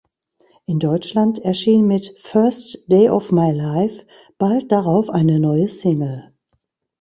In Deutschland erschien mit "First Day of My Life" bald darauf eine neue Single.